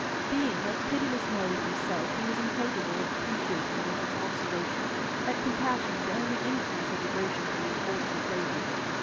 Being of pitiless mould himself, he was incapable of appreciating Richard's observation that compassion would only increase her devotion to the unfortunate lady.